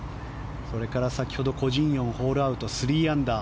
それから先ほどコ・ジンヨンがホールアウト３アンダー。